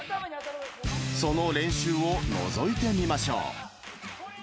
その練習をのぞいてみましょう。